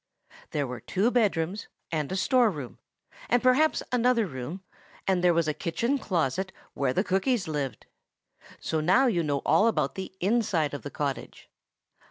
There were two bedrooms and a storeroom, and perhaps another room; and there was a kitchen closet, where the cookies lived. So now you know all about the inside of the cottage.